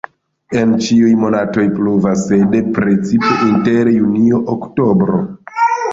En ĉiuj monatoj pluvas, sed precipe inter junio-oktobro.